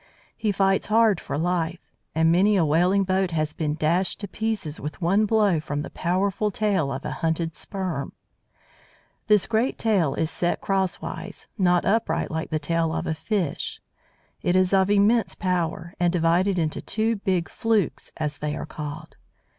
He fights hard for life; and many a whaling boat has been dashed to pieces with one blow from the powerful tail of a hunted Sperm. This great tail is set cross wise, not upright like the tail of a fish. It is of immense power, and divided into two big "flukes," as they are called.